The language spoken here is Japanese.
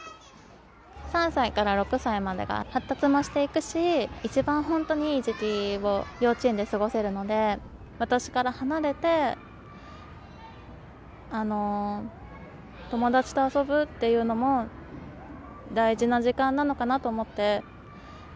３歳から６歳までが、発達もしていくし、一番本当にいい時期を幼稚園で過ごせるので、私から離れて、友達と遊ぶっていうのも大事な時間なのかなと思って。